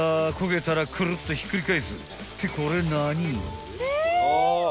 ［ってこれ何？］